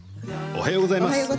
おはようございます。